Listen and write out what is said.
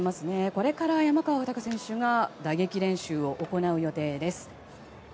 これから山川穂高選手が打撃練習を行う予定です。